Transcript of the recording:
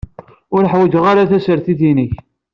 Ur ḥwaǧeɣ ara tasertit-inek.